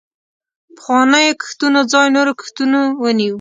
پخوانیو کښتونو ځای نورو کښتونو ونیوه.